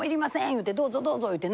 言うて「どうぞどうぞ」言うて。